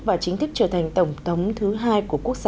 và chính thức trở thành tổng thống thứ hai của quốc gia